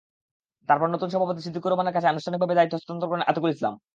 তারপর নতুন সভাপতি সিদ্দিকুর রহমানের কাছে আনুষ্ঠানিকভাবে দায়িত্ব হস্তান্তর করেন আতিকুল ইসলাম।